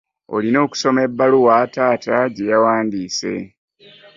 Olina okusoma ebaluwa taata gyeyawandiise.